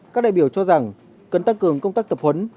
các đại biểu cho rằng cần tăng cường công tác tập huấn